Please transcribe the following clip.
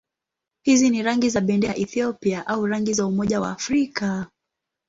Hizi ni rangi za bendera ya Ethiopia au rangi za Umoja wa Afrika.